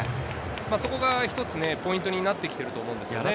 そこが一つポイントになってきていると思いますね。